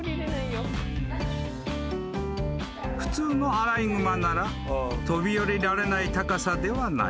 ［普通のアライグマなら飛び降りられない高さではない］